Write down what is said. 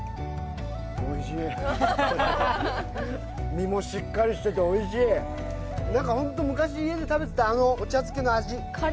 おいしい身もしっかりしてておいしいなんかホント昔家で食べてたあのお茶漬けの味